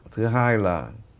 thứ hai là